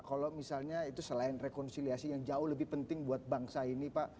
kalau misalnya itu selain rekonsiliasi yang jauh lebih penting buat bangsa ini pak